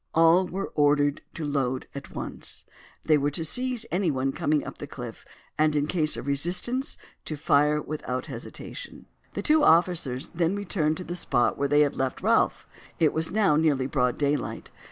All were ordered to load at once. They were to seize anyone coming up the cliff, and in case of resistance to fire without hesitation. The two officers then returned to the spot where they had left Ralph. It was now nearly broad daylight.